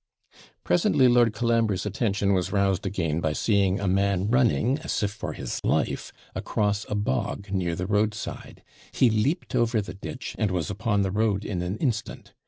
Presently, Lord Colambre's attention was roused again, by seeing a man running, as if for his life, across a bog, near the roadside; he leaped over the ditch, and was upon the road in an instant.